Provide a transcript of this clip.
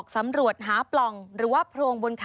สวัสดีค่ะสวัสดีค่ะ